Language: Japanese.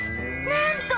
なんと！